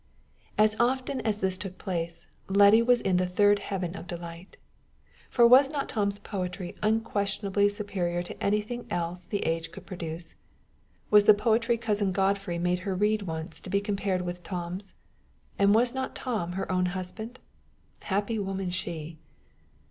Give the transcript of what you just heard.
As often as this took place, Letty was in the third heaven of delight. For was not Tom's poetry unquestionably superior to anything else the age could produce? was the poetry Cousin Godfrey made her read once to be compared to Tom's? and was not Tom her own husband? Happy woman she!